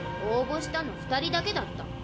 応募したの２人だけだった。